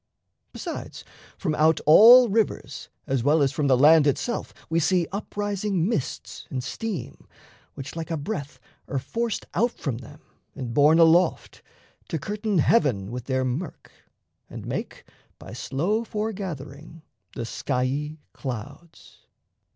Besides, from out all rivers, As well as from the land itself, we see Up rising mists and steam, which like a breath Are forced out from them and borne aloft, To curtain heaven with their murk, and make, By slow foregathering, the skiey clouds.